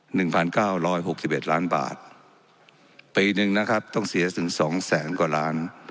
หนึ่งพันเก้าร้อยหกสิบเอ็ดล้านบาทปีหนึ่งนะครับต้องเสียถึงสองแสนกว่าล้าน